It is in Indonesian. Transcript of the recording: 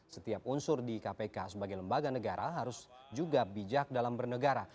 setiap unsur di kpk sebagai lembaga negara harus juga bijak dalam bernegara